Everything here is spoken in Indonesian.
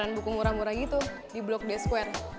buku murah murah gitu di blok d square